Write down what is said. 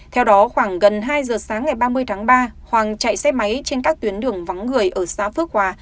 theo đó khoảng gần hai giờ sáng ngày ba mươi tháng ba hoàng chạy xe máy trên các tuyến đường vắng người ở xã phước hòa